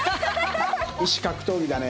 異種格闘技だね。